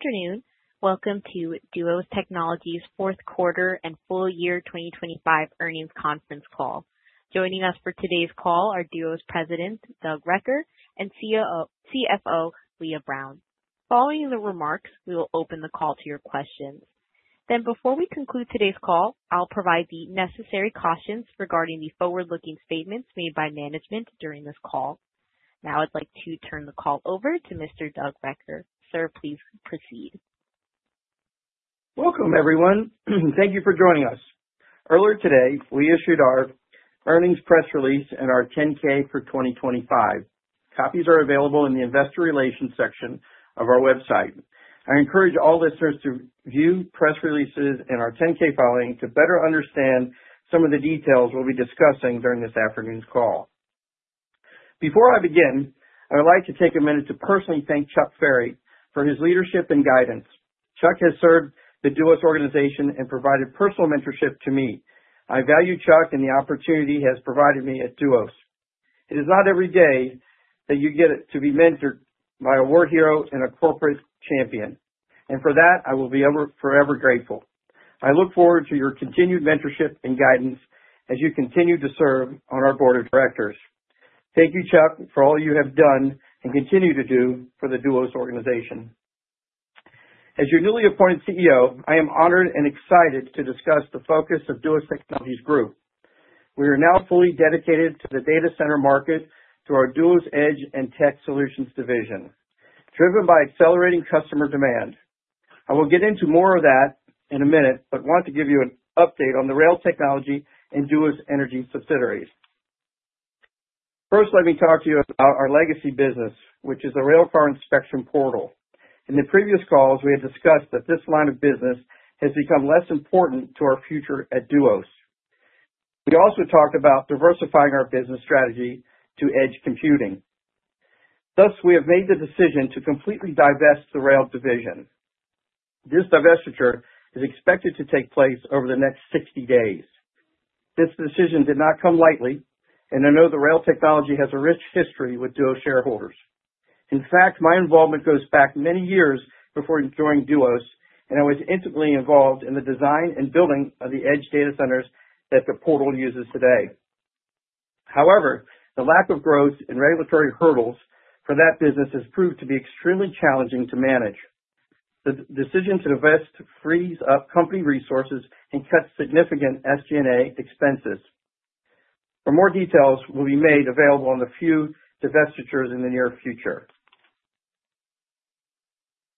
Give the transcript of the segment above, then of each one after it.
Good afternoon. Welcome to Duos Technologies' fourth quarter and full year 2025 earnings conference call. Joining us for today's call are Duos President, Doug Recker, and CFO, Leah Brown. Following the remarks, we will open the call to your questions. Before we conclude today's call, I'll provide the necessary cautions regarding the forward-looking statements made by management during this call. Now, I'd like to turn the call over to Mr. Doug Recker. Sir, please proceed. Welcome, everyone. Thank you for joining us. Earlier today, we issued our earnings press release and our 10-K for 2025. Copies are available in the investor relations section of our website. I encourage all listeners to view press releases and our 10-K filing to better understand some of the details we'll be discussing during this afternoon's call. Before I begin, I would like to take a minute to personally thank Chuck Ferry for his leadership and guidance. Chuck has served the Duos organization and provided personal mentorship to me. I value Chuck and the opportunity he has provided me at Duos. It is not every day that you get to be mentored by a war hero and a corporate champion, and for that, I will be ever forever grateful. I look forward to your continued mentorship and guidance as you continue to serve on our board of directors. Thank you, Chuck, for all you have done and continue to do for the Duos organization. As your newly appointed CEO, I am honored and excited to discuss the focus of Duos Technologies Group. We are now fully dedicated to the data center market through our Duos Edge and Technologies Solutions division, driven by accelerating customer demand. I will get into more of that in a minute, but want to give you an update on the rail technology in Duos Energy subsidiaries. First, let me talk to you about our legacy business, which is a Railcar Inspection Portal. In the previous calls, we have discussed that this line of business has become less important to our future at Duos. We also talked about diversifying our business strategy to edge computing. Thus, we have made the decision to completely divest the Rail division. This divestiture is expected to take place over the next 60 days. This decision did not come lightly, and I know the Rail technology has a rich history with Duos shareholders. In fact, my involvement goes back many years before joining Duos, and I was intimately involved in the design and building of the edge data centers that the portal uses today. However, the lack of growth and regulatory hurdles for that business has proved to be extremely challenging to manage. The decision to divest frees up company resources and cuts significant SG&A expenses, for more details will be made available on the few divestitures in the near future.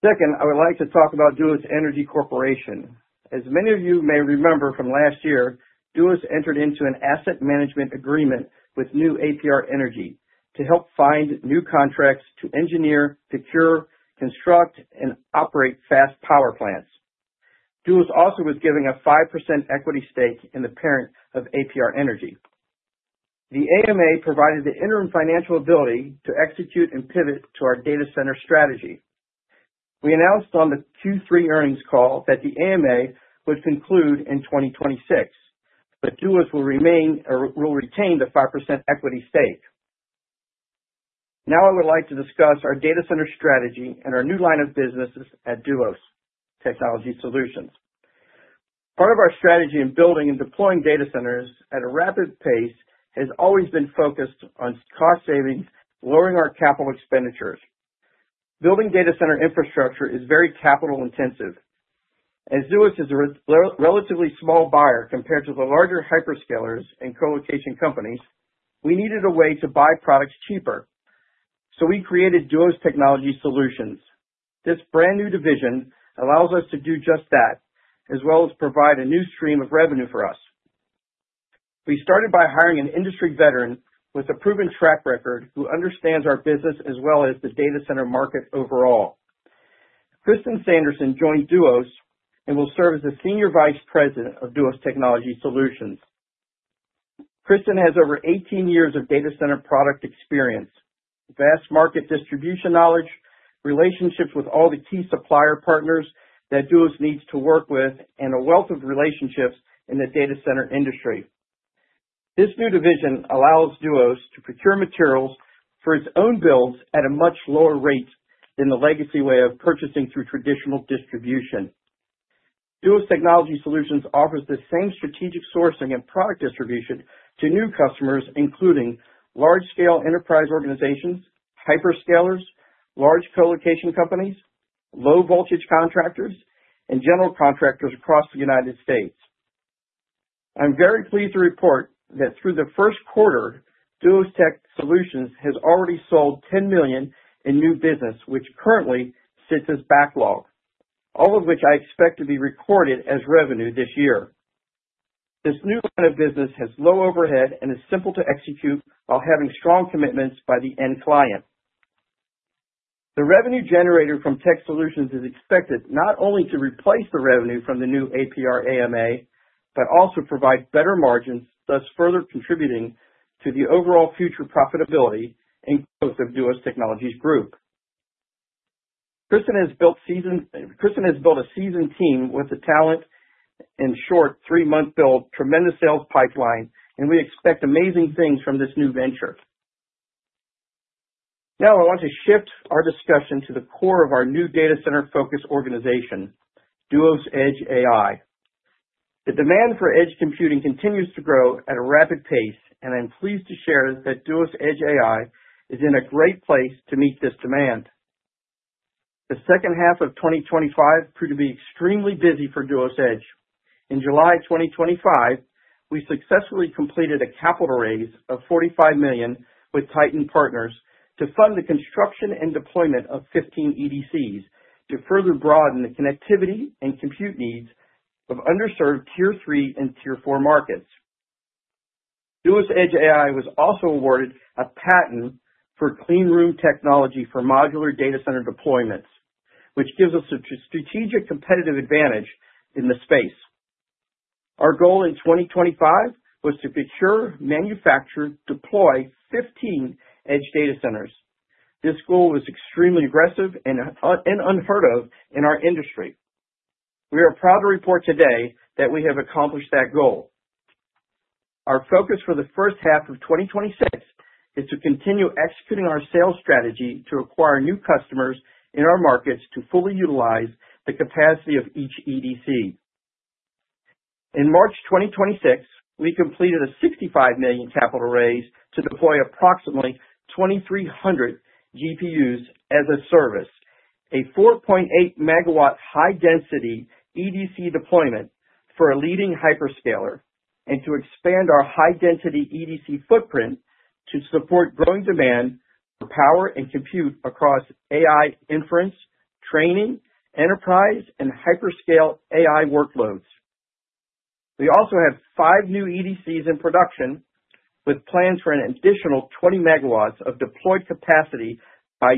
Second, I would like to talk about Duos Energy Corporation. As many of you may remember from last year, Duos entered into an asset management agreement with New APR Energy to help find new contracts to engineer, procure, construct, and operate fast power plants. Duos also was given a 5% equity stake in the parent of APR Energy. The AMA provided the interim financial ability to execute and pivot to our data center strategy. We announced on the Q3 earnings call that the AMA would conclude in 2026, but Duos will remain or will retain the 5% equity stake. Now, I would like to discuss our data center strategy and our new line of businesses at Duos Technologies Solutions. Part of our strategy in building and deploying data centers at a rapid pace has always been focused on cost savings, lowering our capital expenditures. Building data center infrastructure is very capital intensive. As Duos is a relatively small buyer compared to the larger hyperscalers and colocation companies, we needed a way to buy products cheaper, so we created Duos Technologies Solutions. This brand new division allows us to do just that, as well as provide a new stream of revenue for us. We started by hiring an industry veteran with a proven track record who understands our business as well as the data center market overall. Kristen Sanderson joined Duos and will serve as the Senior Vice President of Duos Technologies Solutions. Kristen has over 18 years of data center product experience, vast market distribution knowledge, relationships with all the key supplier partners that Duos needs to work with, and a wealth of relationships in the data center industry. This new division allows Duos to procure materials for its own builds at a much lower rate than the legacy way of purchasing through traditional distribution. Duos Technologies Solutions offers the same strategic sourcing and product distribution to new customers, including large scale enterprise organizations, hyperscalers, large colocation companies, low voltage contractors, and general contractors across the United States. I'm very pleased to report that through the first quarter, Duos Technologies Solutions has already sold $10 million in new business, which currently sits as backlog, all of which I expect to be recorded as revenue this year. This new line of business has low overhead and is simple to execute while having strong commitments by the end client. The revenue generator from Tech Solutions is expected not only to replace the revenue from the new APR AMA, but also provide better margins, thus further contributing to the overall future profitability and growth of Duos Technologies Group. Kristen has built a seasoned team with the talent in short three-month build, tremendous sales pipeline, and we expect amazing things from this new venture. Now, I want to shift our discussion to the core of our new data center-focused organization, Duos Edge AI. The demand for edge computing continues to grow at a rapid pace, and I'm pleased to share that Duos Edge AI is in a great place to meet this demand. The second half of 2025 proved to be extremely busy for Duos Edge. In July 2025, we successfully completed a capital raise of $45 million with Titan Partners to fund the construction and deployment of 15 EDCs to further broaden the connectivity and compute needs of underserved Tier 3 and Tier 4 markets. Duos Edge AI was also awarded a patent for Clean Room technology for modular data center deployments, which gives us a strategic competitive advantage in the space. Our goal in 2025 was to procure, manufacture, deploy 15 edge data centers. This goal was extremely aggressive and unheard of in our industry. We are proud to report today that we have accomplished that goal. Our focus for the first half of 2026 is to continue executing our sales strategy to acquire new customers in our markets to fully utilize the capacity of each EDC. In March 2026, we completed a $65 million capital raise to deploy approximately 2,300 GPUs as a service, a 4.8 MW high-density EDC deployment for a leading hyperscaler, and to expand our high-density EDC footprint to support growing demand for power and compute across AI inference, training, enterprise, and hyperscale AI workloads. We also have five new EDCs in production, with plans for an additional 20 MW of deployed capacity by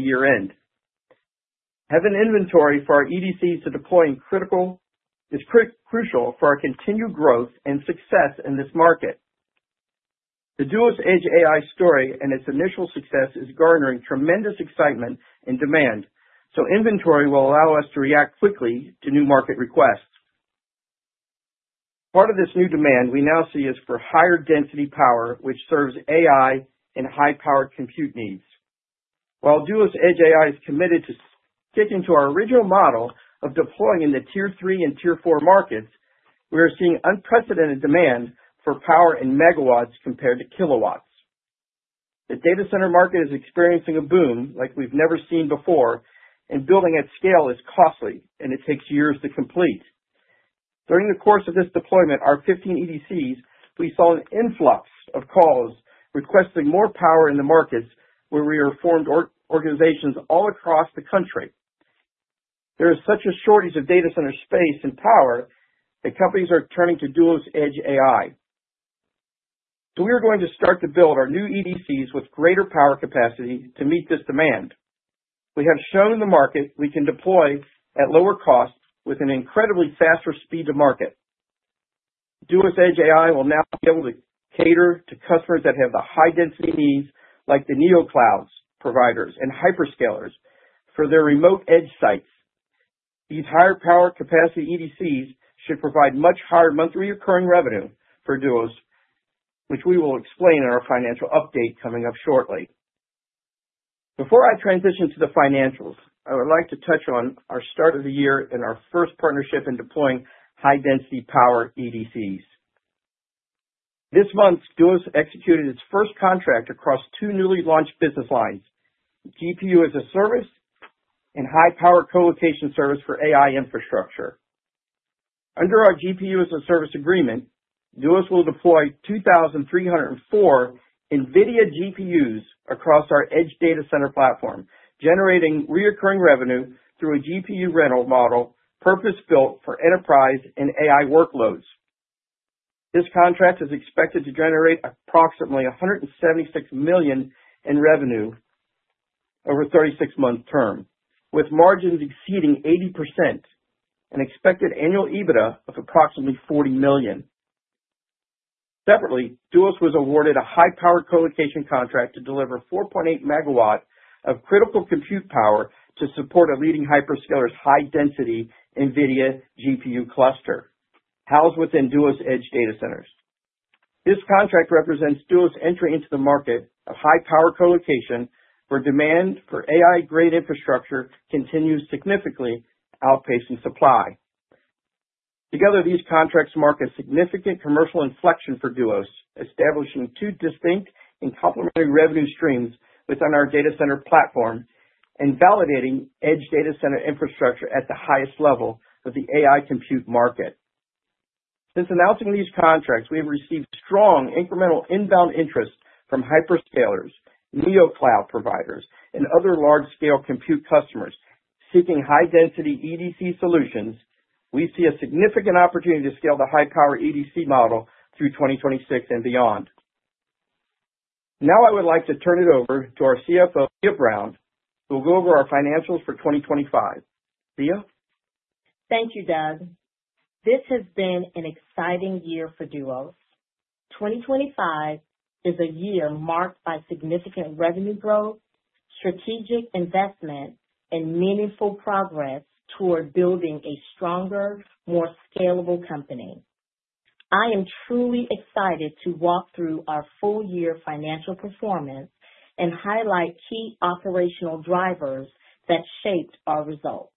year-end. Having inventory for our EDCs to deploy is crucial for our continued growth and success in this market. The Duos Edge AI story and its initial success is garnering tremendous excitement and demand, so inventory will allow us to react quickly to new market requests. Part of this new demand we now see is for higher density power, which serves AI and high-powered compute needs. While Duos Edge AI is committed to sticking to our original model of deploying in the Tier 3 and Tier 4 markets, we are seeing unprecedented demand for power in megawatts compared to kilowatts. The data center market is experiencing a boom like we've never seen before, and building at scale is costly, and it takes years to complete. During the course of this deployment, our 15 EDCs, we saw an influx of calls requesting more power in the markets where we have our operations all across the country. There is such a shortage of data center space and power that companies are turning to Duos Edge AI. We are going to start to build our new EDCs with greater power capacity to meet this demand. We have shown the market we can deploy at lower costs with an incredibly faster speed to market. Duos Edge AI will now be able to cater to customers that have the high-density needs, like the neoclouds providers and hyperscalers, for their remote edge sites. These higher power capacity EDCs should provide much higher monthly recurring revenue for Duos, which we will explain in our financial update coming up shortly. Before I transition to the financials, I would like to touch on our start of the year and our first partnership in deploying high-density power EDCs. This month, Duos executed its first contract across two newly launched business lines, GPU-as-a-Service and high-power colocation service for AI infrastructure. Under our GPU-as-a-Service agreement, Duos will deploy 2,304 NVIDIA GPUs across our edge data center platform, generating recurring revenue through a GPU rental model, purpose-built for enterprise and AI workloads. This contract is expected to generate approximately $176 million in revenue over a 36-month term, with margins exceeding 80% and expected annual EBITDA of approximately $40 million. Separately, Duos was awarded a high-powered colocation contract to deliver 4.8 MW of critical compute power to support a leading hyperscaler's high-density NVIDIA GPU cluster housed within Duos Edge AI data centers. This contract represents Duos' entry into the market of high-power colocation, where demand for AI-grade infrastructure continues significantly outpacing supply. Together, these contracts mark a significant commercial inflection for Duos, establishing two distinct and complementary revenue streams within our data center platform and validating edge data center infrastructure at the highest level of the AI compute market. Since announcing these contracts, we have received strong incremental inbound interest from hyperscalers, neocloud providers, and other large-scale compute customers. Seeking high-density EDC solutions, we see a significant opportunity to scale the high-power EDC model through 2026 and beyond. Now, I would like to turn it over to our CFO, Leah Brown, who will go over our financials for 2025. Leah? Thank you, Doug. This has been an exciting year for Duos. 2025 is a year marked by significant revenue growth, strategic investment, and meaningful progress toward building a stronger, more scalable company. I am truly excited to walk through our full year financial performance and highlight key operational drivers that shaped our results.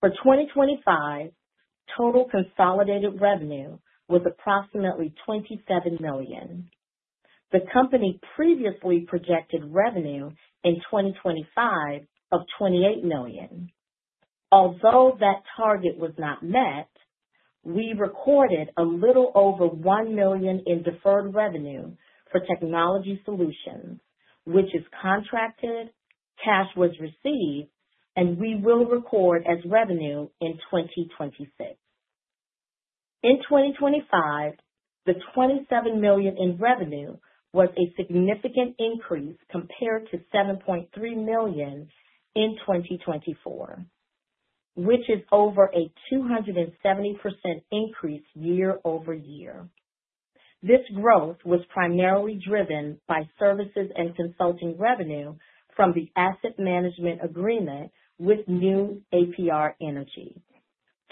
For 2025, total consolidated revenue was approximately $27 million. The company previously projected revenue in 2025 of $28 million. Although that target was not met, we recorded a little over $1 million in deferred revenue for technology solutions, which is contracted, cash was received, and we will record as revenue in 2026. In 2025, the $27 million in revenue was a significant increase compared to $7.3 million in 2024, which is over a 270% increase year-over-year. This growth was primarily driven by services and consulting revenue from the asset management agreement with New APR Energy,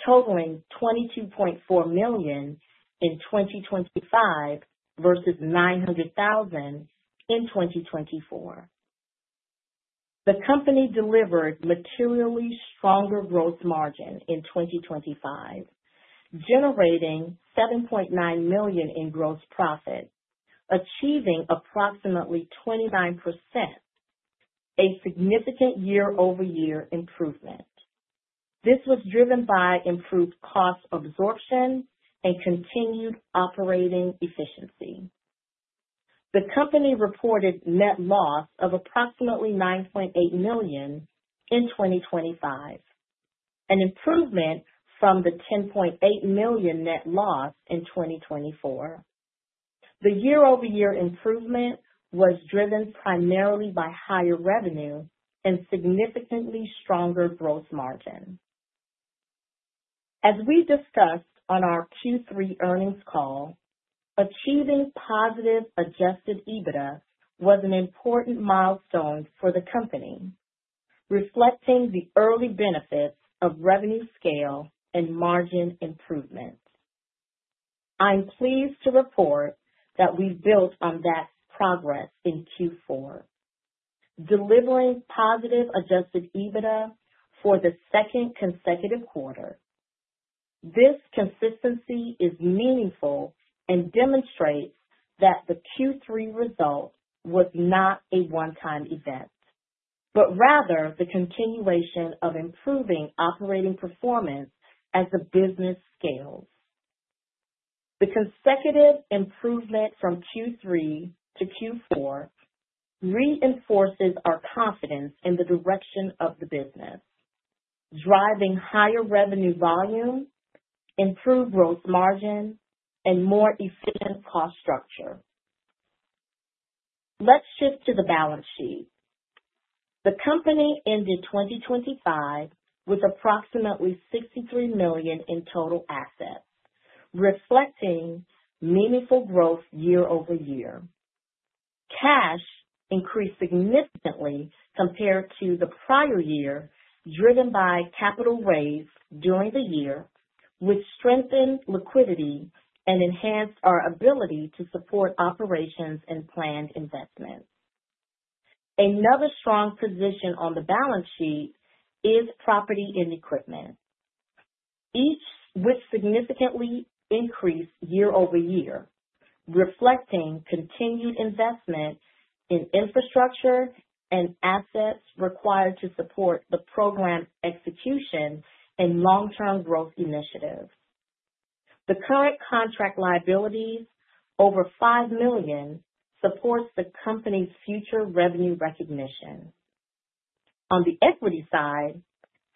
totaling $22.4 million in 2025 versus $900,000 in 2024. The company delivered materially stronger gross margin in 2025, generating $7.9 million in gross profit, achieving approximately 29%, a significant year-over-year improvement. This was driven by improved cost absorption and continued operating efficiency. The company reported net loss of approximately $9.8 million in 2025, an improvement from the $10.8 million net loss in 2024. The year-over-year improvement was driven primarily by higher revenue and significantly stronger gross margin. As we discussed on our Q3 earnings call, achieving positive Adjusted EBITDA was an important milestone for the company, reflecting the early benefits of revenue scale and margin improvement. I'm pleased to report that we built on that progress in Q4, delivering positive Adjusted EBITDA for the second consecutive quarter. This consistency is meaningful and demonstrates that the Q3 result was not a one-time event, but rather the continuation of improving operating performance as the business scales. The consecutive improvement from Q3 to Q4 reinforces our confidence in the direction of the business, driving higher revenue volume, improved gross margin, and more efficient cost structure. Let's shift to the balance sheet. The company ended 2025 with approximately $63 million in total assets, reflecting meaningful growth year-over-year. Cash increased significantly compared to the prior year, driven by capital raised during the year, which strengthened liquidity and enhanced our ability to support operations and planned investments. Another strong position on the balance sheet is property and equipment, each with a significant increase year-over-year, reflecting continued investment in infrastructure and assets required to support the program's execution and long-term growth initiatives. The current contract liabilities over $5 million support the company's future revenue recognition. On the equity side,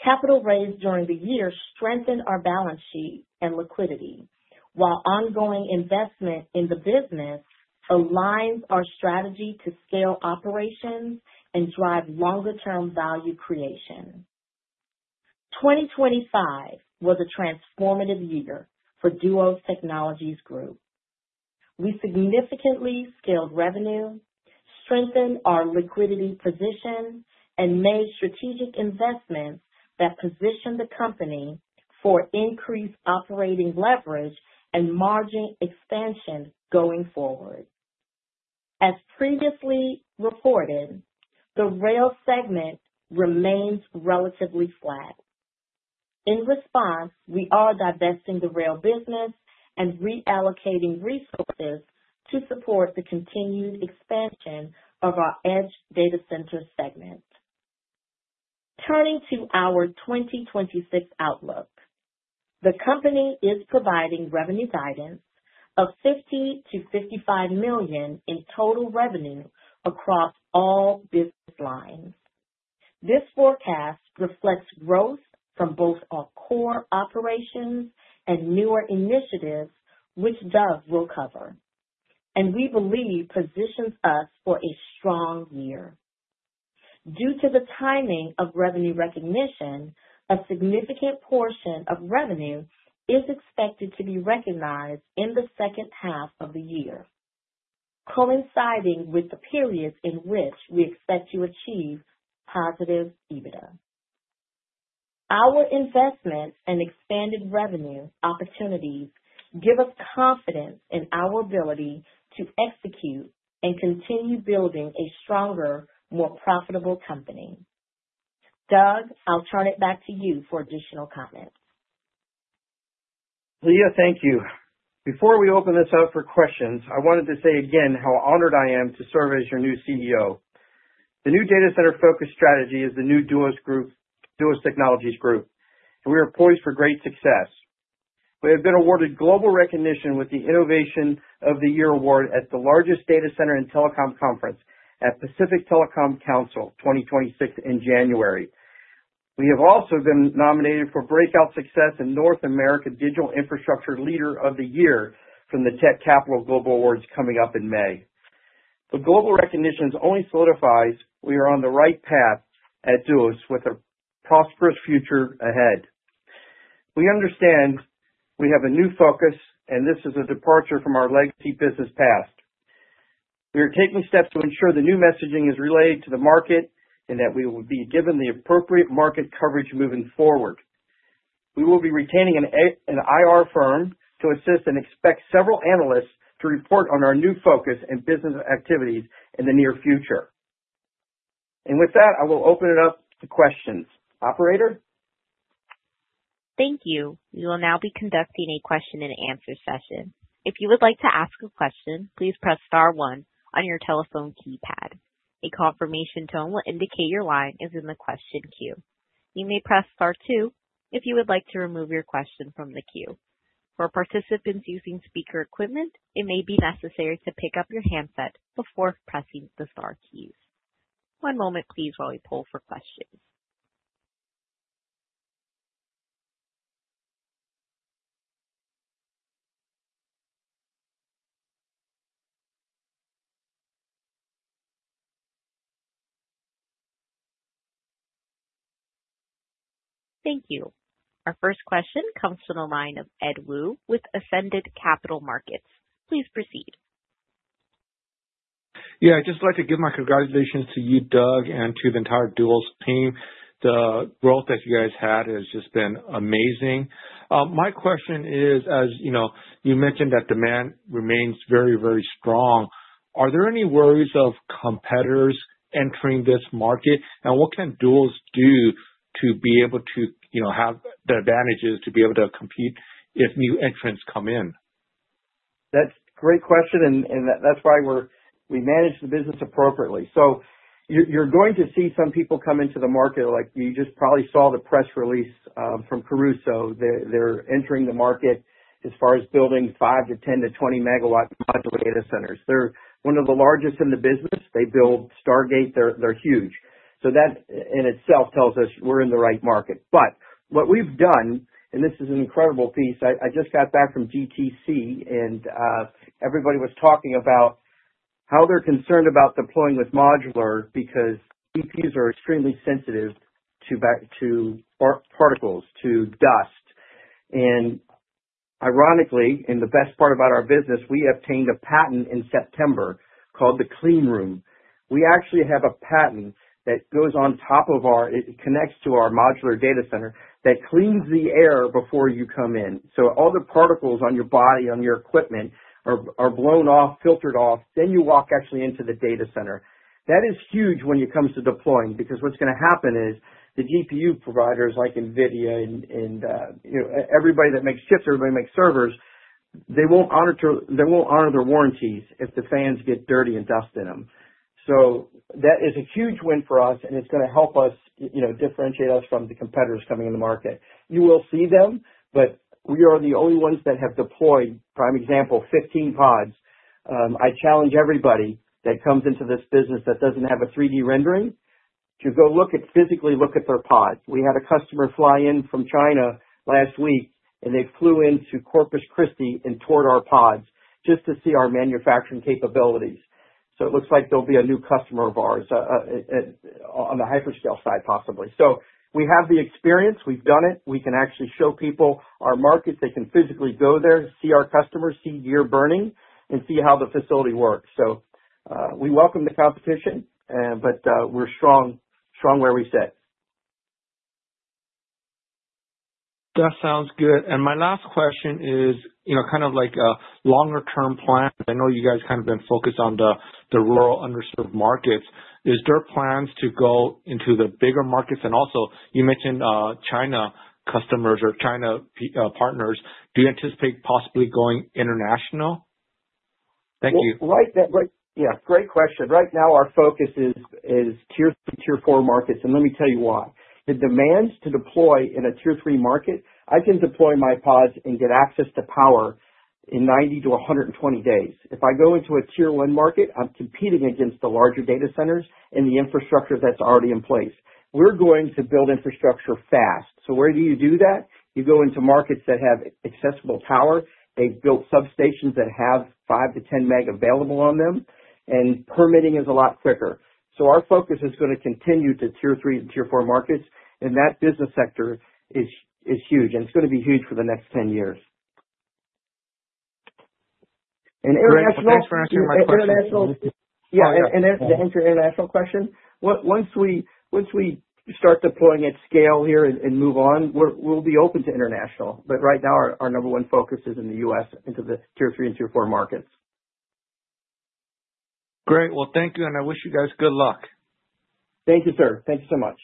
capital raised during the year strengthened our balance sheet and liquidity, while ongoing investment in the business aligns our strategy to scale operations and drive longer-term value creation. 2025 was a transformative year for Duos Technologies Group. We significantly scaled revenue, strengthened our liquidity position, and made strategic investments that position the company for increased operating leverage and margin expansion going forward. As previously reported, the Rail segment remains relatively flat. In response, we are divesting the Rail business and reallocating resources to support the continued expansion of our edge data center segment. Turning to our 2026 outlook, the company is providing revenue guidance of $50 million-$55 million in total revenue across all business lines. This forecast reflects growth from both our core operations and newer initiatives, which Doug will cover, and we believe positions us for a strong year. Due to the timing of revenue recognition, a significant portion of revenue is expected to be recognized in the second half of the year, coinciding with the periods in which we expect to achieve positive EBITDA. Our investment and expanded revenue opportunities give us confidence in our ability to execute and continue building a stronger, more profitable company. Doug, I'll turn it back to you for additional comments. Leah, thank you. Before we open this up for questions, I wanted to say again how honored I am to serve as your new CEO. The new data center-focused strategy is the new Duos Group, Duos Technologies Group, and we are poised for great success. We have been awarded global recognition with the Innovation of the Year award at the largest data center and telecom conference at Pacific Telecommunications Council 2026 in January. We have also been nominated for breakout success in North America Digital Infrastructure Leader of the Year from the Tech Capital Global Awards coming up in May. The global recognitions only solidifies we are on the right path at Duos with a prosperous future ahead. We understand we have a new focus, and this is a departure from our legacy business past. We are taking steps to ensure the new messaging is relayed to the market and that we will be given the appropriate market coverage moving forward. We will be retaining an IR firm to assist, and expect several analysts to report on our new focus and business activities in the near future. With that, I will open it up to questions. Operator? Thank you. We will now be conducting a question-and-answer session. If you would like to ask a question, please press star one on your telephone keypad. A confirmation tone will indicate your line is in the question queue. You may press star two if you would like to remove your question from the queue. For participants using speaker equipment, it may be necessary to pick up your handset before pressing the star keys. One moment please while we poll for questions. Thank you. Our first question comes from the line of Ed Woo with Ascendiant Capital Markets. Please proceed. Yeah. I'd just like to give my congratulations to you, Doug, and to the entire Duos team. The growth that you guys had has just been amazing. My question is, as you know, you mentioned that demand remains very, very strong. Are there any worries of competitors entering this market? What can Duos do to be able to, you know, have the advantages to be able to compete if new entrants come in? That's a great question, and that's why we manage the business appropriately. You're going to see some people come into the market, like you just probably saw the press release from Crusoe. They're entering the market as far as building 5 MW to 10 MW to 20 MW modular data centers. They're one of the largest in the business. They build Stargate. They're huge. That in itself tells us we're in the right market. What we've done, and this is an incredible piece--I just got back from GTC, and everybody was talking about how they're concerned about deploying with modular because GPUs are extremely sensitive to particles, to dust. Ironically, the best part about our business, we obtained a patent in September called the Clean Room. We actually have a patent that goes on top of our--it connects to our modular data center that cleans the air before you come in. All the particles on your body, on your equipment, are blown off, filtered off, then you walk actually into the data center. That is huge when it comes to deploying, because what's gonna happen is the GPU providers, like NVIDIA and, you know, everybody that makes chips, everybody that makes servers, they won't honor their warranties if the fans get dirty and dust in them. That is a huge win for us, and it's gonna help us, you know, differentiate us from the competitors coming in the market. You will see them, but we are the only ones that have deployed, prime example, 15 pods. I challenge everybody that comes into this business that doesn't have a 3D rendering to go look at, physically look at their pods. We had a customer fly in from China last week, and they flew into Corpus Christi and toured our pods just to see our manufacturing capabilities. It looks like there'll be a new customer of ours on the hyperscale side, possibly. We have the experience. We've done it. We can actually show people our markets. They can physically go there to see our customers, see gear burning, and see how the facility works. We welcome the competition, but we're strong where we sit. That sounds good. My last question is, you know, kind of like a longer term plan. I know you guys kind of been focused on the rural underserved markets. Is there plans to go into the bigger markets? Also you mentioned, China customers or China partners. Do you anticipate possibly going international? Thank you. Yeah, great question. Right now our focus is Tier 3, Tier 4 markets, and let me tell you why. The demands to deploy in a Tier 3 market, I can deploy my pods and get access to power in 90-120 days. If I go into a Tier 1 market, I'm competing against the larger data centers and the infrastructure that's already in place. We're going to build infrastructure fast. So where do you do that? You go into markets that have accessible power. They've built substations that have 5 MW-10 MW available on them, and permitting is a lot quicker. So our focus is gonna continue to Tier 3 and Tier 4 markets, and that business sector is huge, and it's gonna be huge for the next 10 years. International- Great. Well, thanks for answering my question. International. Yeah. As to answer your international question, once we start deploying at scale here and move on, we'll be open to international. But right now, our number one focus is in the U.S. into the Tier 3 and Tier 4 markets. Great. Well, thank you, and I wish you guys good luck. Thank you, sir. Thank you so much.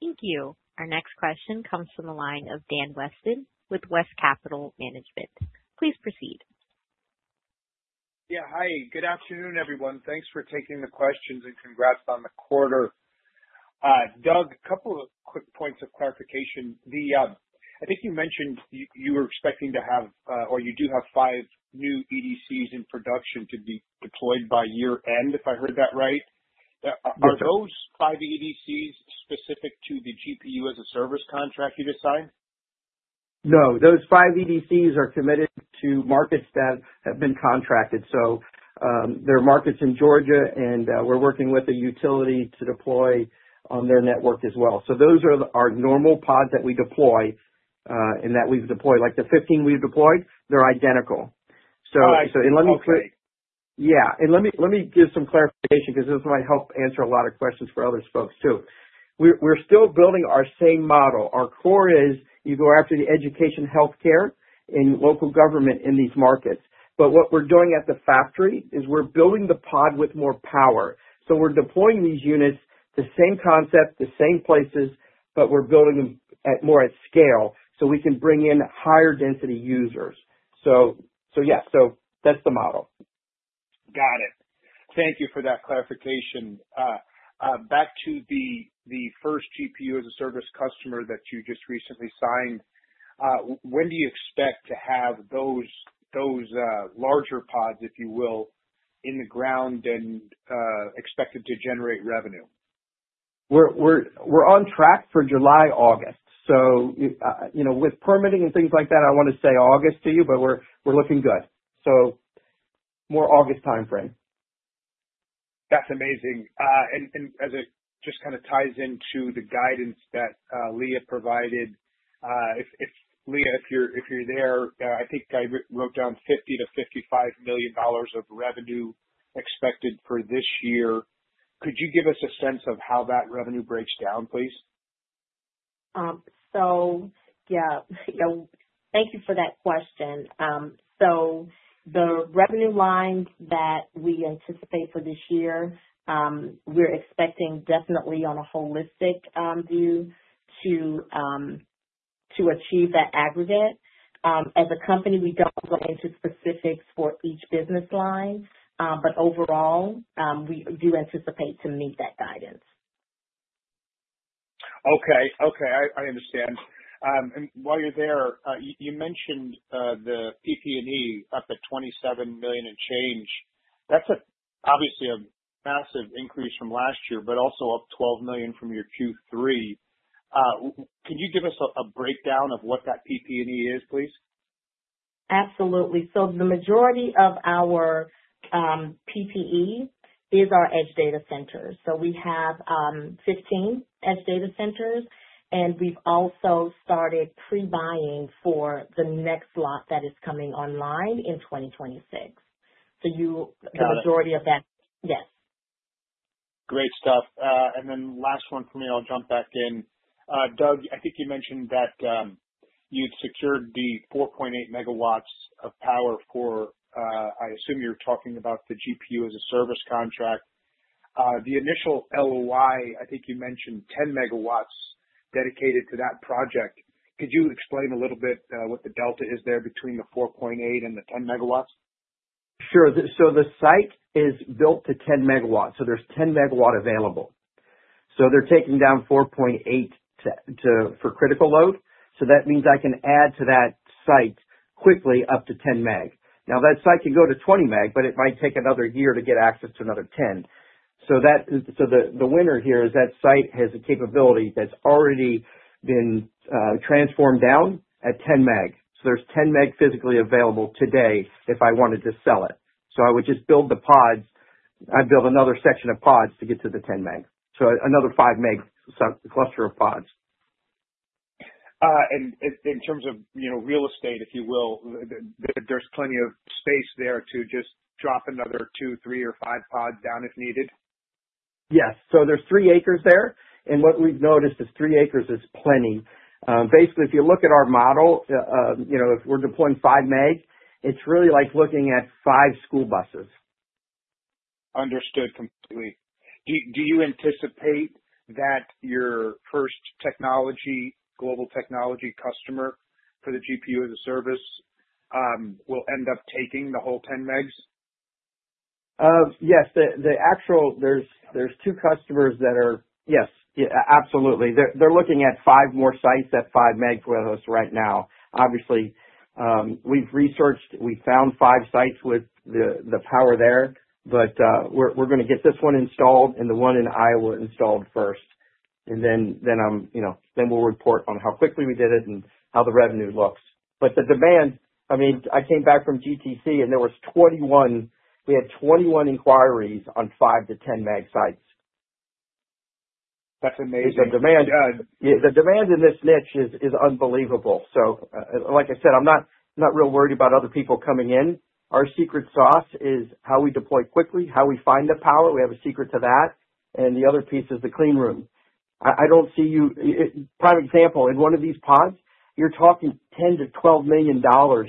Thank you. Our next question comes from the line of Dan Weston with West Capital Management. Please proceed. Yeah. Hi. Good afternoon, everyone. Thanks for taking the questions and congrats on the quarter. Doug, a couple of quick points of clarification. I think you mentioned you were expecting to have, or you do have 5 new EDCs in production to be deployed by year end, if I heard that right? Yes, sir. Are those 5 EDCs specific to the GPU-as-a-Service contract you just signed? No, those 5 EDCs are committed to markets that have been contracted. There are markets in Georgia, and we're working with a utility to deploy on their network as well. Those are our normal pods that we deploy and that we've deployed. Like, the 15 we've deployed, they're identical. I see. Okay. Yeah. Let me give some clarification because this might help answer a lot of questions for other folks, too. We're still building our same model. Our core is, you go after the education, healthcare, and local government in these markets. What we're doing at the factory is we're building the pod with more power. We're deploying these units, the same concept, the same places, but we're building them at more scale so we can bring in higher density users. Yeah. That's the model. Got it. Thank you for that clarification. Back to the first GPU-as-a-Service customer that you just recently signed. When do you expect to have those larger pods, if you will, in the ground and expected to generate revenue? We're on track for July, August. You know, with permitting and things like that, I wanna say August to you, but we're looking good. More August timeframe. That's amazing. As it just kinda ties into the guidance that Leah provided, if Leah, if you're there, I think I wrote down $50 million-$55 million of revenue expected for this year. Could you give us a sense of how that revenue breaks down, please? Yeah. Thank you for that question. The revenue lines that we anticipate for this year, we're expecting definitely on a holistic view to achieve that aggregate. As a company, we don't go into specifics for each business line, but overall, we do anticipate to meet that guidance. Okay. I understand. While you're there, you mentioned the PP&E up to $27 million and change. That's obviously a massive increase from last year, but also up $12 million from your Q3. Can you give us a breakdown of what that PP&E is, please? Absolutely. The majority of our PP&E is our edge data centers. We have 15 edge data centers, and we've also started pre-buying for the next lot that is coming online in 2026. You- Got it. The majority of that. Yes. Great stuff. Last one from me, I'll jump back in. Doug, I think you mentioned that you'd secured the 4.8 MW of power for, I assume you're talking about the GPU-as-a-Service contract. The initial LOI, I think you mentioned 10 MW dedicated to that project. Could you explain a little bit, what the delta is there between the 4.8 MW and the 10 MW? Sure. The site is built to 10 MW, so there's 10 MW available. They're taking down 4.8 MW for critical load. That means I can add to that site quickly up to 10 MW. Now, that site can go to 20 MW, but it might take another year to get access to another 10 MW. That is the winner here, is that site has the capability that's already been transformed down at 10 MW. There's 10 MW physically available today if I wanted to sell it. I would just build the pods. I'd build another section of pods to get to the 10 MW, so another 5 MW cluster of pods. In terms of, you know, real estate, if you will, there's plenty of space there to just drop another 2, 3, or 5 pods down if needed? Yes. There's 3 acres there, and what we've noticed is 3 acres is plenty. Basically, if you look at our model, you know, if we're deploying 5 MW, it's really like looking at 5 school buses. Understood completely. Do you anticipate that your first technology, global technology customer for the GPU-as-a-Service, will end up taking the whole 10 MW? Yes. Absolutely. There are 2 customers that are looking at 5 more sites at 5 MW with us right now. Obviously, we've researched. We found 5 sites with the power there, but we're gonna get this one installed and the one in Iowa installed first. You know, we'll report on how quickly we did it and how the revenue looks. The demand, I mean, I came back from GTC, and we had 21 inquiries on 5 MW-10 MW sites. That's amazing. The demand, yeah, the demand in this niche is unbelievable. Like I said, I'm not real worried about other people coming in. Our secret sauce is how we deploy quickly, how we find the power, we have a secret to that, and the other piece is the Clean Room. I don't see you--Prime example, in one of these pods, you're talking $10 million-$12 million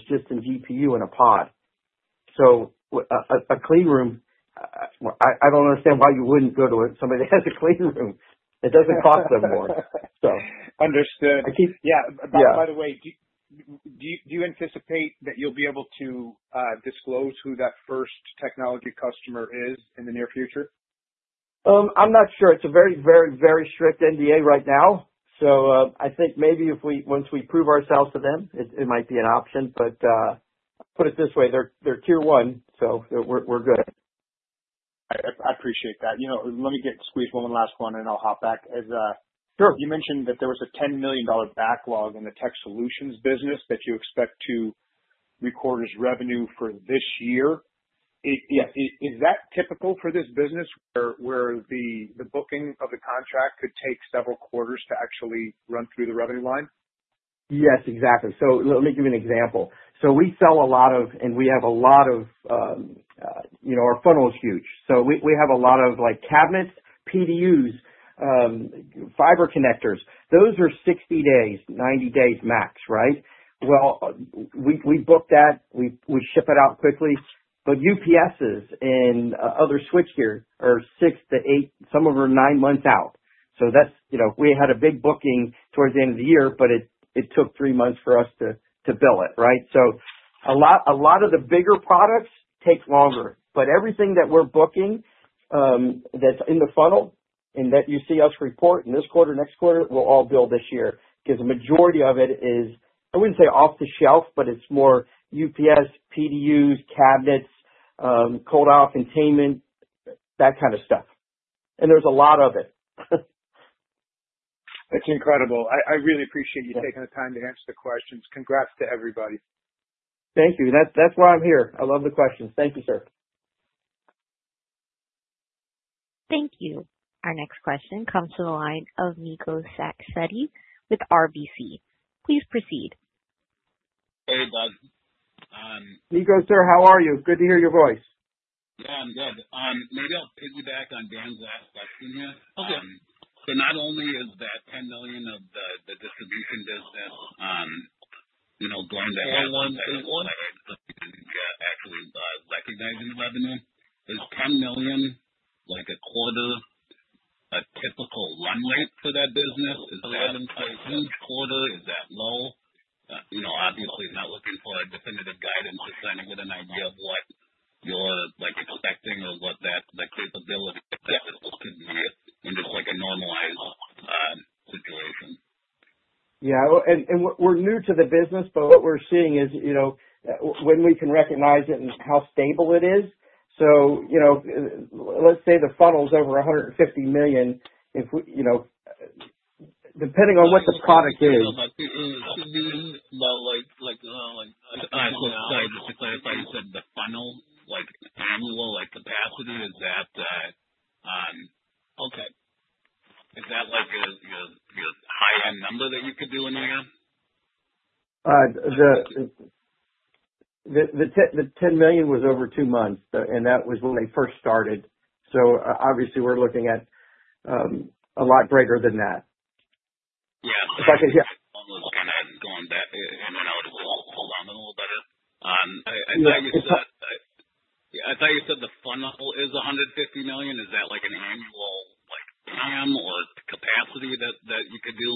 just in GPU in a pod. A Clean Room, I don't understand why you wouldn't go to somebody that has a Clean Room. It doesn't cost them more. Understood. I keep- Yeah. Yeah. By the way, do you anticipate that you'll be able to disclose who that first technology customer is in the near future? I'm not sure. It's a very strict NDA right now, so I think maybe once we prove ourselves to them, it might be an option. Put it this way, they're Tier 1, so we're good. I appreciate that. You know, let me get, squeeze one last one and I'll hop back. As- Sure. You mentioned that there was a $10 million backlog in the tech solutions business that you expect to record as revenue for this year. Is- Yeah. Is that typical for this business where the booking of the contract could take several quarters to actually run through the revenue line? Yes, exactly. Let me give you an example. We sell a lot of, and we have a lot of, you know, our funnel is huge. We have a lot of, like, cabinets, PDUs, fiber connectors. Those are 60 days, 90 days max, right? Well, we book that, we ship it out quickly. UPSes and other switchgear are six to eight, some of them nine months out. That's, you know, we had a big booking towards the end of the year, but it took three months for us to bill it, right? A lot of the bigger products take longer. Everything that we're booking, that's in the funnel and that you see us report in this quarter, next quarter, will all bill this year. Because a majority of it is, I wouldn't say off the shelf, but it's more UPS, PDUs, cabinets, cold aisle containment, that kind of stuff. There's a lot of it. That's incredible. I really appreciate you taking the time to answer the questions. Congrats to everybody. Thank you. That's why I'm here. I love the questions. Thank you, sir. Thank you. Our next question comes to the line of Nico Sacchetti with RBC. Please proceed. Hey, Doug. Nico, sir, how are you? Good to hear your voice. Yeah, I'm good. Maybe I'll piggyback on Dan's last question here. Okay. Not only is that $10 million of the distribution business, you know, going to- Four one through one. Yeah. Actually, recognizing the revenue. Okay. Is $10 million, like, a quarter, a typical run rate for that business? Absolutely. Is that a huge quarter? Is that low? You know, obviously not looking for a definitive guidance, just trying to get an idea of what you're, like, expecting or what that, the capability of that business could be in just like a normalized, situation. Yeah. We're new to the business, but what we're seeing is, you know, when we can recognize it and how stable it is. You know, let's say the funnel's over $150 million, if we, you know, depending on what the product is. No, like $2 million, but like, like- I'm sorry. Just to clarify, you said the funnel, like, annual, like, capacity. Is that? Okay. Is that like a high-end number that you could do in a year? The $10 million was over two months, and that was when they first started. Obviously we're looking at a lot greater than that. Yeah. Yeah. I'm looking at going back in and out. Hold on a little bit. I thought you said- Yeah. I thought you said the funnel is $150 million. Is that like an annual, like, TAM or capacity that you could do?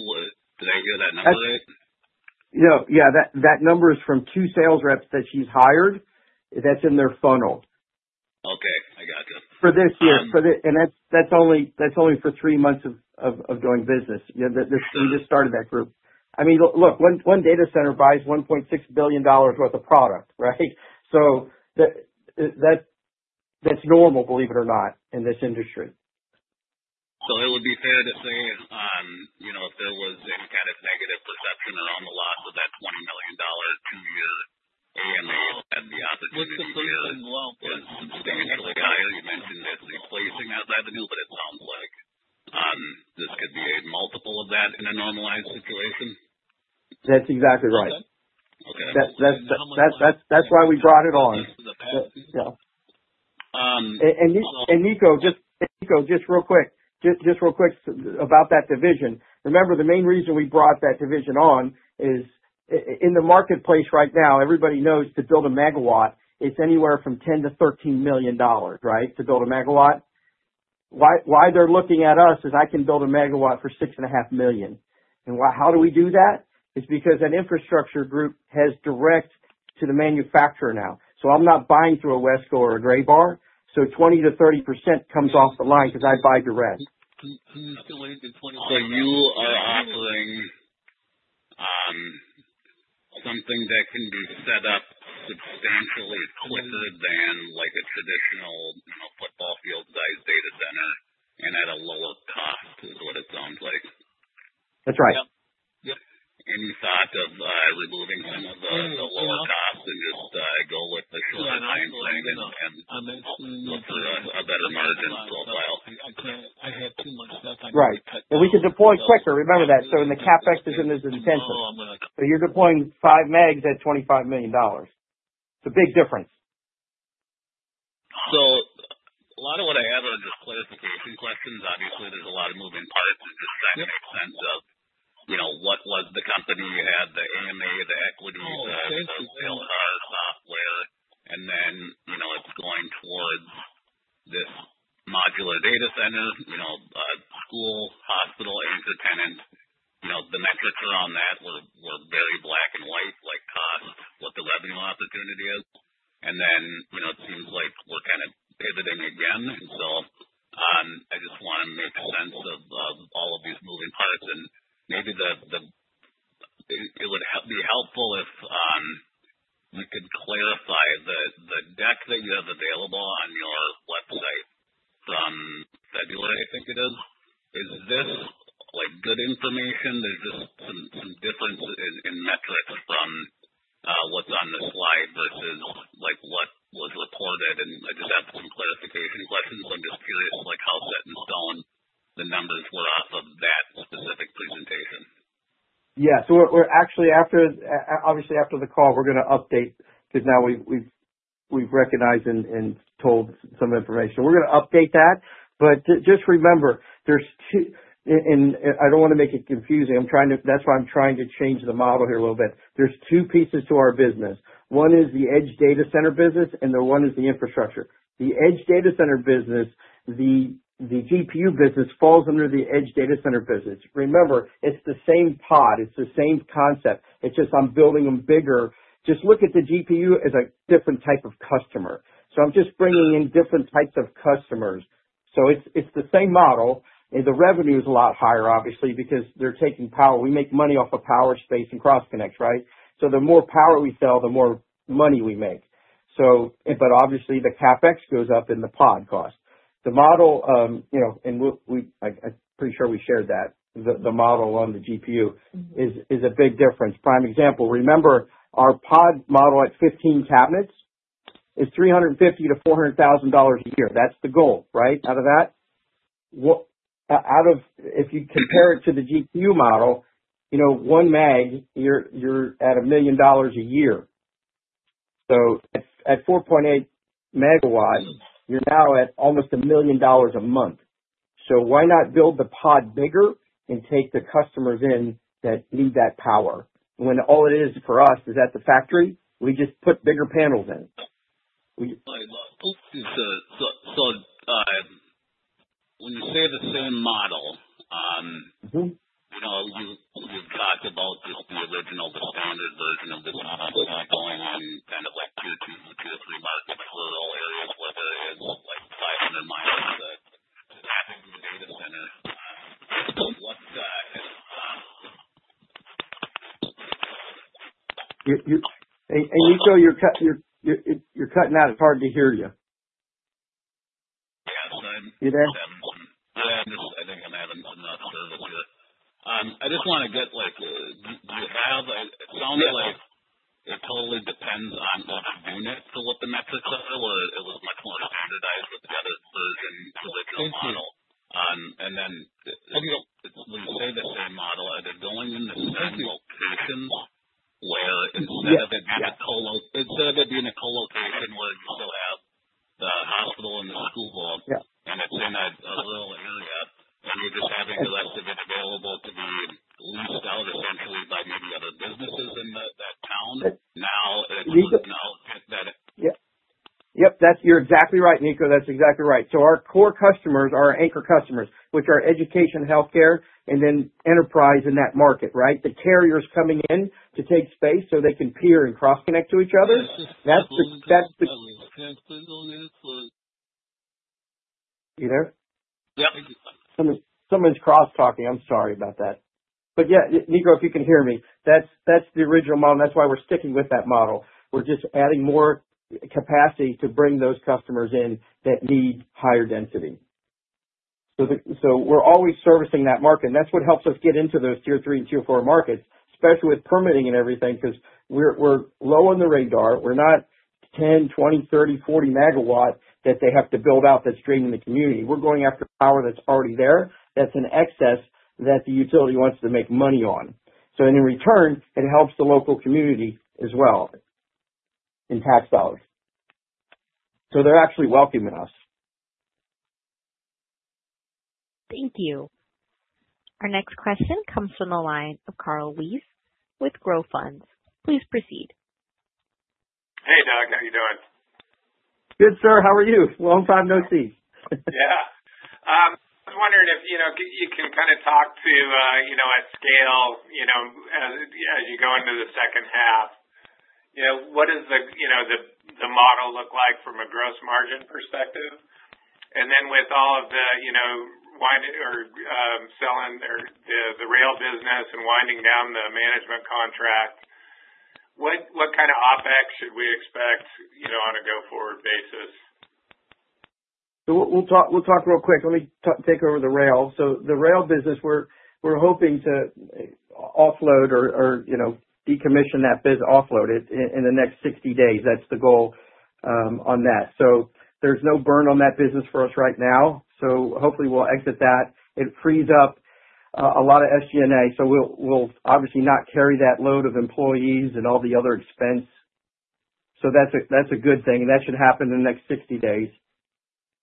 Did I hear that number right? Yeah. That number is from two sales reps that she's hired. That's in their funnel. Okay. I gotcha. For this year. That's only for three months of doing business. You know, this, we just started that group. I mean, look, one data center buys $1.6 billion worth of product, right? That's normal, believe it or not, in this industry. It would be fair to say, you know, if there was any kind of negative perception around the loss of that $20 million two years ago, and the opportunity here. Listen to me as well. You mentioned that replacing that side of the deal, but it sounds like this could be a multiple of that in a normalized situation. That's exactly right. Okay. That's why we brought it on. For the past two years. Nico, just real quick about that division. Remember, the main reason we brought that division on is in the marketplace right now, everybody knows to build a megawatt, it's anywhere from $10 million-$13 million, right? To build a megawatt. Why they're looking at us is I can build a megawatt for $6.5 million. Why, how do we do that? It's because that infrastructure group has direct to the manufacturer now. I'm not buying through a Wesco or a Graybar. 20%-30% comes off the line because I buy direct. Can you explain the 20%? You are offering, something that can be set up substantially quicker than like a traditional, you know, football field-sized data center and at a lower cost, is what it sounds like. That's right. Yep. Go with the shorter timeline and go for a better margin profile. Right. Well, we could deploy quicker. Remember that. The CapEx isn't as intensive. You're deploying 5 MW at $25 million. It's a big difference. A lot of what I have are just clarification questions. Obviously, there's a lot of moving parts with this second- Yep. To the extent of, you know, what was the company. You had the AMA, the equity- Oh, thank you. The you know, data software. Then, you know, it's going towards this modular data center, you know, school, hospital, anchor tenants. You know, the metrics around that were very black and white, like cost, what the revenue opportunity is. Then, you know, it seems like we're kind of pivoting again. I just wanna make sense of all of these moving parts and maybe the. It would be helpful if we could clarify the deck that you have available on your website from February, I think it is. Is this, like, good information? There's just some differences in metrics from what's on this slide versus, like, what was reported and, like, just have some clarification questions. I'm just curious, like, how set in stone the numbers were off of that specific presentation. Yeah. We're actually after obviously after the call, we're gonna update because now we've recognized and told some information. We're gonna update that. But just remember there's two. And I don't wanna make it confusing. That's why I'm trying to change the model here a little bit. There's two pieces to our business. One is the edge data center business, and the one is the infrastructure. The edge data center business, the GPU business falls under the edge data center business. Remember, it's the same pod, it's the same concept. It's just on building them bigger. Just look at the GPU as a different type of customer. I'm just bringing in different types of customers. It's the same model, and the revenue is a lot higher, obviously, because they're taking power. We make money off of power, space, and cross-connect, right? The more power we sell, the more money we make. Obviously the CapEx goes up and the pod cost. The model, you know, and we, I'm pretty sure we shared that. The model on the GPU- Mm-hmm.... is a big difference. Prime example, remember our pod model at 15 cabinets is $350,000-$400,000 a year. That's the goal, right? Out of that if you compare it to the GPU model, you know, 1 MW, you're at $1 million a year. So at 4.8 MW, you're now at almost $1 million a month. So why not build the pod bigger and take the customers that need that power? When all it is for us is at the factory, we just put bigger panels in. We- When you say the same model- Mm-hmm. You know, you've talked about, you know, the original, the founded version of this model going on kind of like two to three markets with little areas with it and like 500 mi of the data center. Hey, Nico, you're cutting out. It's hard to hear you. Yeah. You there? I think I'm having a service here. I just wanna get like, do you have? It sounds like it totally depends on which unit to what the metrics are, or it looks much more standardized with the other version, original model. Thank you. Um, and then- I hear you. When you say the same model, are they going in the same locations where instead of it being a colocation where you still have the hospital and the school board? Yeah. It's in a little area, and you're just having it left available to be leased out eventually by maybe other businesses in that town. Now is it now that it- Yeah. Yep. You're exactly right, Nico. That's exactly right. Our core customers are our anchor customers, which are education, healthcare, and then enterprise in that market, right? The carriers coming in to take space so they can peer and cross-connect to each other. You there? Yeah. Someone's cross-talking. I'm sorry about that. Yeah, Nico, if you can hear me, that's the original model, and that's why we're sticking with that model. We're just adding more capacity to bring those customers in that need higher density. We're always servicing that market, and that's what helps us get into those Tier 3 and Tier 4 markets, especially with permitting and everything, because we're low on the radar. We're not 10 MW, 20 MW, 30 MW, 40 MW that they have to build out that's draining the community. We're going after power that's already there, that's in excess that the utility wants to make money on. In return, it helps the local community as well in tax dollars. They're actually welcoming us. Thank you. Our next question comes from the line of Carl Weiss with ForeFront. Please proceed. Hey, Doug. How you doing? Good, sir. How are you? Long time no see. Yeah. I was wondering if, you know, you can kinda talk to, you know, at scale, you know, as you go into the second half. You know, what does the, you know, the model look like from a gross margin perspective? Then with all of the, you know, winding or selling the rail business and winding down the management contract, what kind of OpEx should we expect, you know, on a go-forward basis? We'll talk real quick. Let me take over the rail. The rail business we're hoping to offload or, you know, decommission that biz, offload it in the next 60 days. That's the goal on that. There's no burn on that business for us right now, so hopefully we'll exit that. It frees up a lot of SG&A, so we'll obviously not carry that load of employees and all the other expense. That's a good thing. That should happen in the next 60 days.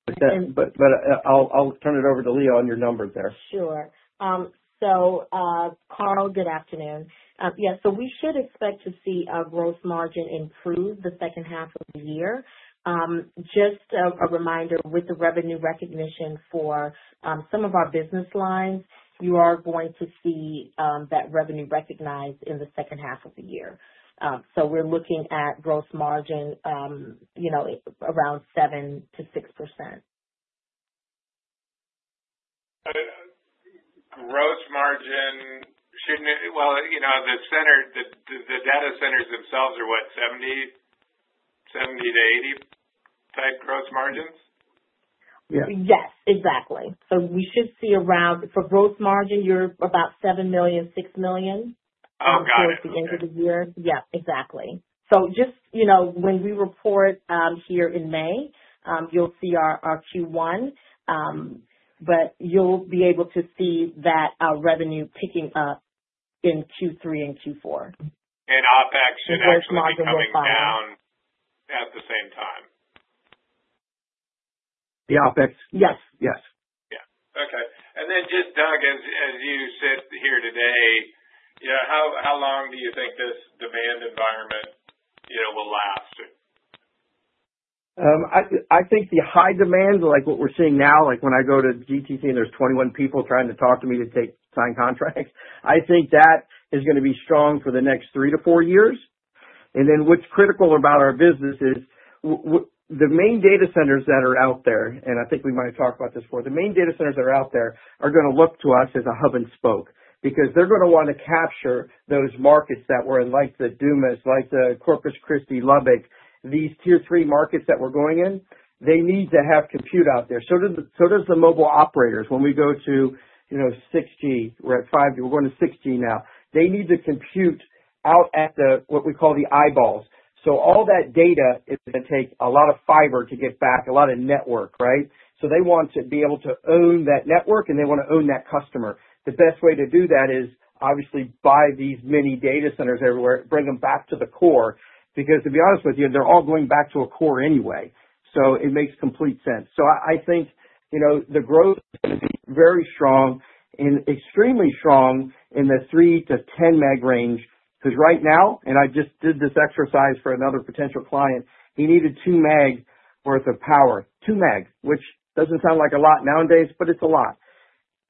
But that- And- I'll turn it over to Leah on your numbers there. Sure. Carl, good afternoon. We should expect to see our gross margin improve the second half of the year. Just a reminder with the revenue recognition for some of our business lines, you are going to see that revenue recognized in the second half of the year. We're looking at gross margin, you know, around 7%-6%. Growth margin, shouldn't it? Well, you know, the data centers themselves are what 70%-80% type growth margins? Yeah. Yes, exactly. We should see around, for gross margin, you're about $7 million, $6 million. Oh, got it. Okay. Towards the end of the year. Yeah, exactly. Just, you know, when we report here in May, you'll see our Q1. But you'll be able to see that revenue picking up in Q3 and Q4. OpEx should actually be coming down at the same time. The OpEx? Yes. Yes. Yeah. Okay. Just, Doug, as you sit here today, you know, how long do you think this demand environment, you know, will last? I think the high demand, like what we're seeing now, like when I go to GTC and there's 21 people trying to talk to me to sign contracts, I think that is gonna be strong for the next three to four years. What's critical about our business is the main data centers that are out there, and I think we might have talked about this before, the main data centers that are out there are gonna look to us as a hub and spoke because they're gonna wanna capture those markets that we're in, like Dumas, like Corpus Christi, Lubbock. These Tier 3 markets that we're going in, they need to have compute out there. So does the mobile operators. When we go to, you know, 6G, we're at 5G, we're going to 6G now. They need to compute out at the, what we call the eyeballs. All that data is gonna take a lot of fiber to get back, a lot of network, right? They want to be able to own that network and they wanna own that customer. The best way to do that is obviously buy these mini data centers everywhere, bring them back to the core, because to be honest with you, they're all going back to a core anyway. It makes complete sense. I think, you know, the growth is gonna be very strong and extremely strong in the 3 MW-10 MW range, because right now, and I just did this exercise for another potential client, he needed 2 MW worth of power. 2 MW, which doesn't sound like a lot nowadays, but it's a lot.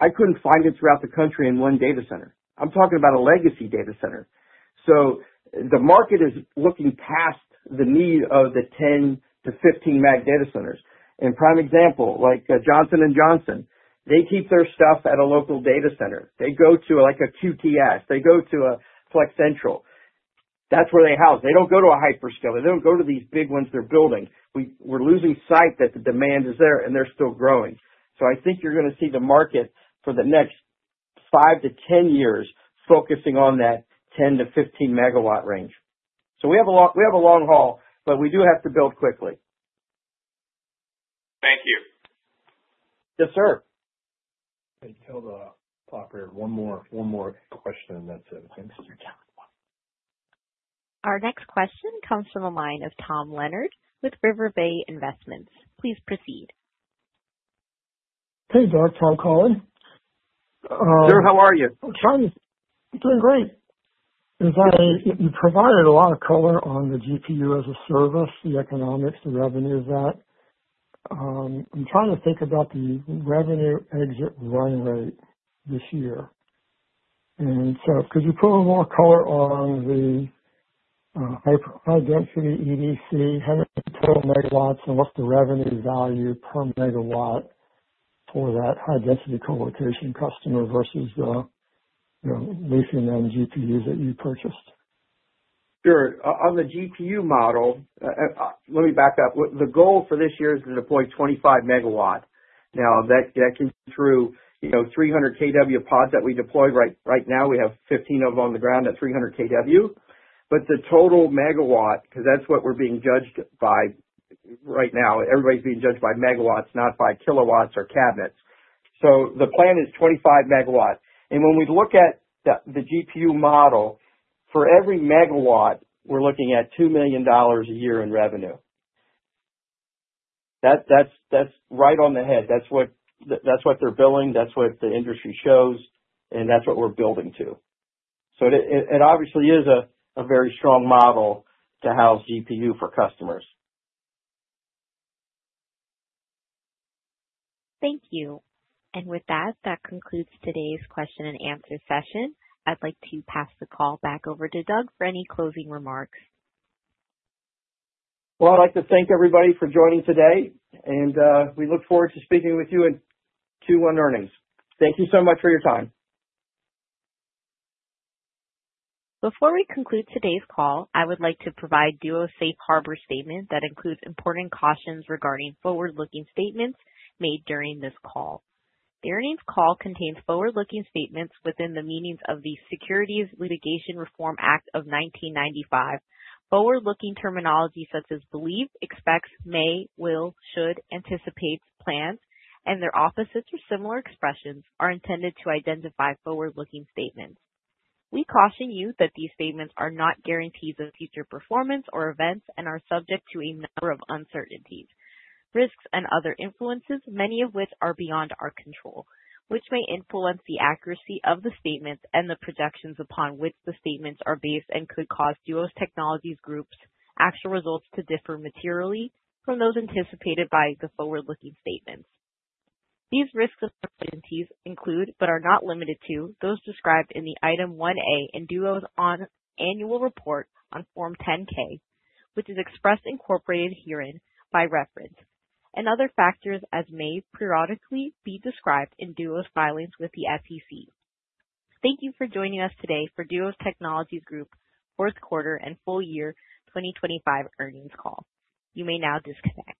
I couldn't find it throughout the country in one data center. I'm talking about a legacy data center. The market is looking past the need of the 10 MW-15 MW data centers. Prime example, like Johnson & Johnson, they keep their stuff at a local data center. They go to like a QTS. They go to a Flexential. That's where they house. They don't go to a hyperscaler. They don't go to these big ones they're building. We're losing sight that the demand is there and they're still growing. I think you're gonna see the market for the next five to 10 years focusing on that 10 MW-15 MW range. We have a long haul, but we do have to build quickly. Thank you. Yes, sir. Okay. Tell the operator one more question and that's it. Thanks. Our next question comes from the line of Tom Leonard with River Bay Investments. Please proceed. Hey, Doug. Tom calling. Sir, how are you? Doing great. You provided a lot of color on the GPU as a service, the economics, the revenues of that. I'm trying to think about the revenue exit run rate this year. Could you put more color on the high density EDC, how total megawatts and what's the revenue value per megawatt for that high density colocation customer versus the, you know, mission end GPUs that you purchased? Sure. On the GPU model, let me back up. The goal for this year is to deploy 25 MW. Now that can be through, you know, 300 kW pod that we deployed. Right now we have 15 of them on the ground at 300 kW. But the total megawatts, 'cause that's what we're being judged by right now. Everybody's being judged by megawatts, not by kilowatts or cabinets. The plan is 25 MW. When we look at the GPU model, for every megawatt, we're looking at $2 million a year in revenue. That's right on the head. That's what they're billing, that's what the industry shows, and that's what we're building to. It obviously is a very strong model to house GPU for customers. Thank you. With that concludes today's question and answer session. I'd like to pass the call back over to Doug for any closing remarks. Well, I'd like to thank everybody for joining today and we look forward to speaking with you in Q1 earnings. Thank you so much for your time. Before we conclude today's call, I would like to provide Duos' Safe Harbor statement that includes important cautions regarding forward-looking statements made during this call. The earnings call contains forward-looking statements within the meaning of the Private Securities Litigation Reform Act of 1995. Forward-looking terminology such as believe, expects, may, will, should, anticipates, plans, and their opposites or similar expressions, are intended to identify forward-looking statements. We caution you that these statements are not guarantees of future performance or events and are subject to a number of uncertainties, risks and other influences, many of which are beyond our control, which may influence the accuracy of the statements and the projections upon which the statements are based and could cause Duos Technologies Group's actual results to differ materially from those anticipated by the forward-looking statements. These risks and uncertainties include, but are not limited to those described in the Item 1A in Duos' Annual Report on Form 10-K, which is expressly incorporated herein by reference, and other factors as may periodically be described in Duos' filings with the SEC. Thank you for joining us today for Duos Technologies Group fourth quarter and full year 2025 earnings call. You may now disconnect.